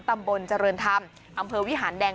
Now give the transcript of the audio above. ตำบลเจริญธรรมอำเภอวิหารแดง